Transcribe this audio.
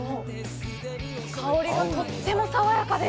香りがとっても爽やかです。